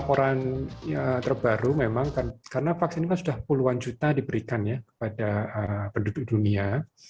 orang terbaru memang karena vaksin ini sudah puluhan juta diberikan kepada penduduk dunia